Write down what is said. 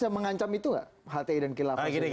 mengancam itu gak hti dan khilafah